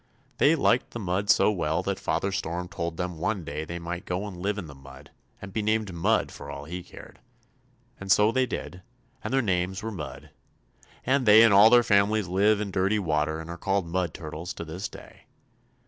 They liked the mud so well that Father Storm told them one day they might go and live in the mud and be named Mud for all he cared; and so they did, and their names were Mud, and they and all their families live in dirty water and are called Mud Turtles to this day.